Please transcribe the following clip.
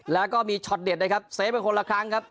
แล้วก็มีช็อตเด็ดนะครับเซฟไปคนละครั้งครับ